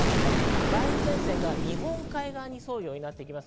梅雨前線が日本海側に沿うようになっています。